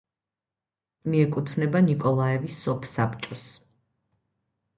მიეკუთვნება ნიკოლაევის სოფსაბჭოს.